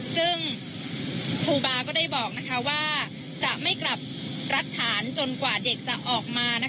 ซึ่งครูบาก็ได้บอกว่าจะไม่กลับรัฐฐานจนกว่าเด็กจะออกมา